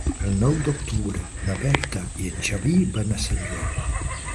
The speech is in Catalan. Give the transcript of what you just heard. El nou d'octubre na Berta i en Xavi van a Sant Joan.